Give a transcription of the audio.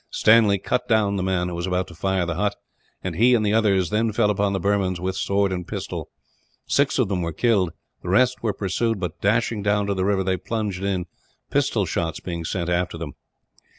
Stanley cut down the man who was about to fire the hut, and he and the others then fell upon the Burmans, with sword and pistol. Six of them were killed. The rest were pursued but, dashing down to the river, they plunged in, pistol shots being sent after them.